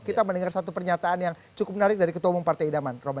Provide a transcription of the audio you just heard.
kita mendengar satu pernyataan yang cukup menarik dari ketua umum partai idaman